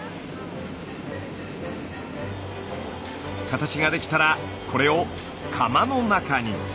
形ができたらこれを窯の中に。